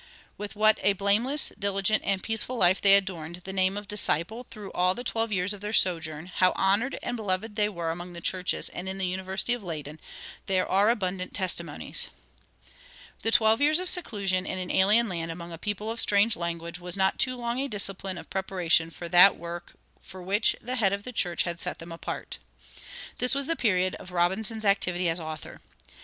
With what a blameless, diligent, and peaceful life they adorned the name of disciple through all the twelve years of their sojourn, how honored and beloved they were among the churches and in the University of Leyden, there are abundant testimonies. The twelve years of seclusion in an alien land among a people of strange language was not too long a discipline of preparation for that work for which the Head of the church had set them apart. This was the period of Robinson's activity as author.